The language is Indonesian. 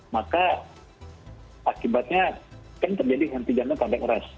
maka akibatnya kan terjadi henti jantung sampai keras